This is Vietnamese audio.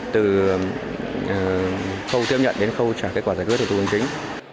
từ khâu tiếp nhận đến khâu trả kết quả giải quyết thủ tục hành chính